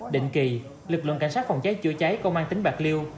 định kỳ lực lượng cảnh sát phòng cháy chữa cháy công an tỉnh bạc liêu